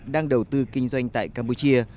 đang đầu tư kinh doanh tại campuchia